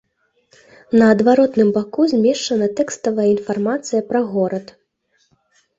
На адваротным баку змешчана тэкставая інфармацыя пра горад.